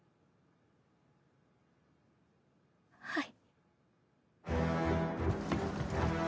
はい。